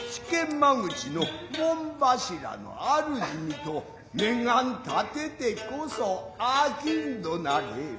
口の門柱の主にと念願立ててこそ商人なれ。